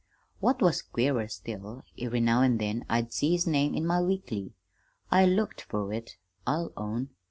"What was queerer still, every now an' then I'd see his name in my weekly. I looked fer it, I'll own.